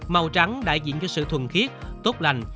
màu trắng đại diện cho sự thuần khiết tốt lành